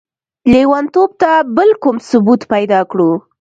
ليونتوب ته به بل کوم ثبوت پيدا کړو؟!